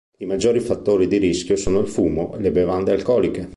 I maggiori fattori di rischio sono il fumo e le bevande alcoliche.